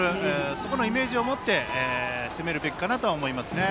そこのイメージを持って攻めるべきかなと思いますね。